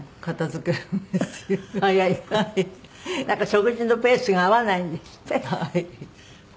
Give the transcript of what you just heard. なんか食事のペースが合わないんですって？